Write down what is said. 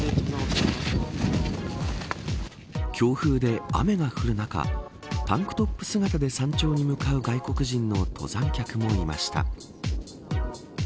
強風で雨が降る中タンクトップ姿で山頂に向かう外国人の登山客もいました。